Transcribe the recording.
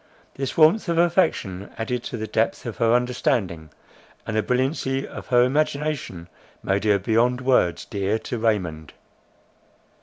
This warmth of affection, added to the depth of her understanding, and the brilliancy of her imagination, made her beyond words dear to Raymond.